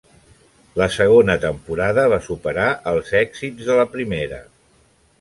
La segona temporada va superar els èxits de la primera.